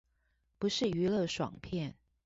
不是娛樂爽片